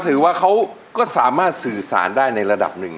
ถือว่าเขาก็สามารถสื่อสารได้ในระดับหนึ่ง